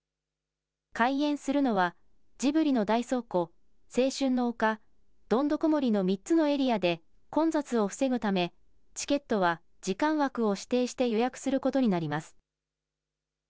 開園するのは、ジブリの大倉庫、青春の丘、どんどこ森の３つのエリアで、混雑を防ぐため、チケットは時間枠を指定して予約することになります。